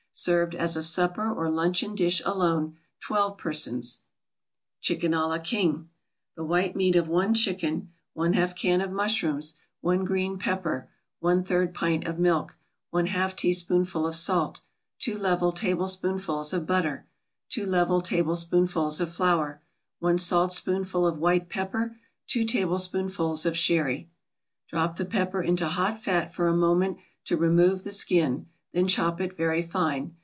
Served as a supper or luncheon dish alone, twelve persons. CHICKEN à la KING The white meat of one chicken 1/2 can of mushrooms 1 green pepper 1/3 pint of milk 1/2 teaspoonful of salt 2 level tablespoonfuls of butter 2 level tablespoonfuls of flour 1 saltspoonful of white pepper 2 tablespoonfuls of sherry Drop the pepper into hot fat for a moment to remove the skin, then chop it very fine.